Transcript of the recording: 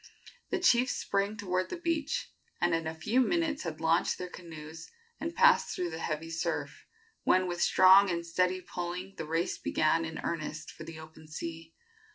The chiefs sprang toward the beach, and in a few minutes had launched their canoes and passed through the heavy surf, when with strong and steady pulling the race began in earnest for the open sea.